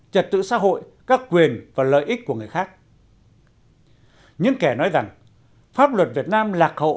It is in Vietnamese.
trật tự xã hội các quyền và lợi ích của người khác những kẻ nói rằng pháp luật việt nam lạc hậu